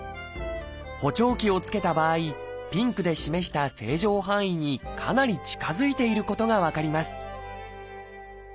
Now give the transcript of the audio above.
補聴器を着けた場合ピンクで示した正常範囲にかなり近づいていることが分かります